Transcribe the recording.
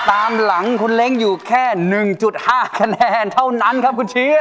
เท่ากับพี่เล้งอยู่แค่๑๕คะแนนเท่านั้นครับ